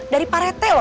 dari pak rete lo